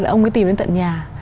ông ấy tìm đến tận nhà